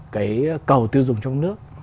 cái cầu tiêu dùng trong nước